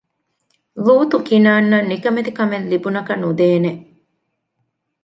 ލޫޠު ކިނާންއަށް ނިކަމެތި ކަމެއް ލިބުނަކަ ނުދޭނެ